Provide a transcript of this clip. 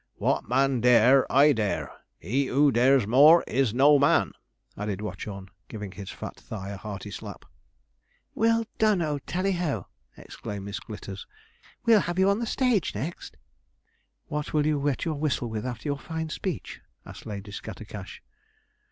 What man dare, I dare; he who dares more, is no man,' added Watchorn, giving his fat thigh a hearty slap. 'Well done, old Talliho!' exclaimed Miss Glitters. 'We'll have you on the stage next.' 'What will you wet your whistle with after your fine speech?' asked Lady Scattercash.